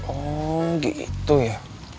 oh gitu ya